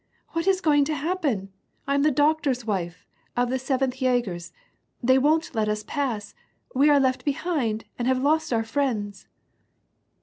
What is going to happen ? I am the doctor's wife, of the Seventh Jagers. They won't let us pass, we are left behind, and have lost our friends."